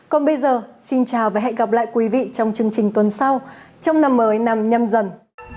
còn bây giờ xin chào và hẹn gặp lại quý vị trong chương trình tuần sau trong năm mới nằm nhâm dần